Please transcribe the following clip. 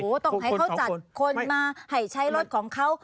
ต้องให้เขาจัดคนมาให้ใช้รถของเขา